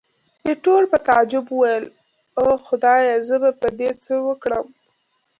ایټور په تعجب وویل، اوه خدایه! زه به په دې څه وکړم.